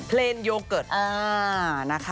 เพลนโยเกิร์ต